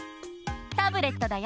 タブレットだよ！